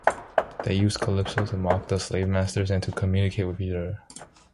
They used calypso to mock the slave masters and to communicate with each other.